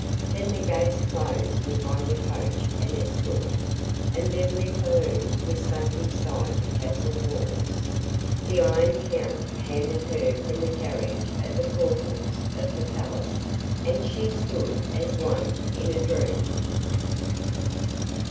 Then the gates closed behind the coach and escort, and Beverly Calhoun was safe inside the castle walls. The "Iron Count" handed her from the carriage at the portals of the palace, and she stood as one in a dream.